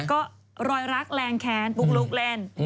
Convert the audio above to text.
ก็รอยรักแรงแค้นปุ๊กลุ๊กเล่น